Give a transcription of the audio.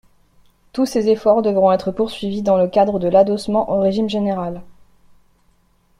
Tous ces efforts devront être poursuivis dans le cadre de l’adossement au régime général.